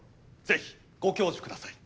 ぜひご教授ください。